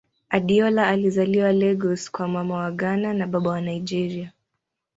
Adeola alizaliwa Lagos kwa Mama wa Ghana na Baba wa Nigeria.